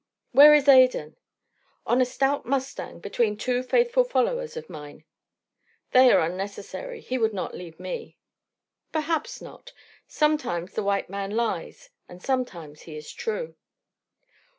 "Where is Adan?" "On a stout mustang between two faithful followers of mine." "They are unnecessary. He would not leave me." "Perhaps not. Sometimes the white man lies and sometimes he is true."